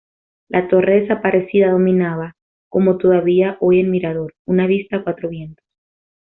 La torre desaparecida dominaba, como todavía hoy el mirador, una vista a cuatro vientos.